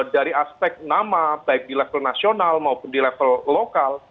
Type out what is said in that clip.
dari aspek nama baik di level nasional maupun di level lokal